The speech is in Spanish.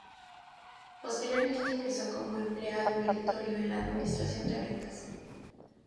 Posteriormente ingresó como empleado meritorio en la Administración de Rentas.